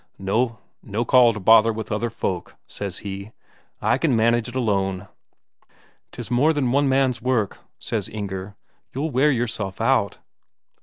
"No call to bother with other folk," says he; "I can manage it alone." "'Tis more than one man's work," says Inger. "You'll wear yourself out."